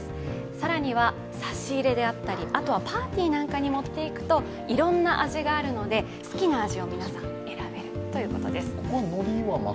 更には差し入れであったりあとはパーティーなんかに持って行くといろんな味があるので好きな味を皆さん、選べるということです。